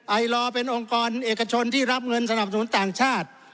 ไอลอร์เป็นองค์กรเอกชนที่รับเงินสนับสนุนต่างชาติ